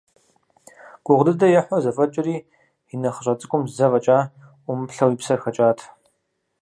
Гугъу дыдэ ехьу зэфӀэкӀри, и нэхъыщӀэ цӀыкӀум зэ фӀэкӀа Ӏумыплъэу и псэр хэкӀат.